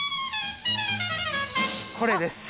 これです。